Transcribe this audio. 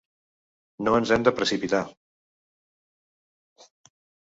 No ens hem de precipitar.